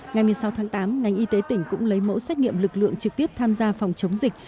ngày một mươi sáu tháng tám ngành y tế tỉnh cũng lấy mẫu xét nghiệm lực lượng trực tiếp tham gia phòng chống dịch